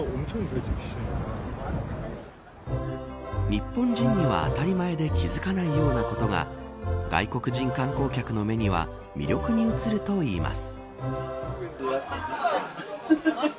日本人には当たり前で気付かないようなことが外国人観光客の目には魅力に映るといいます。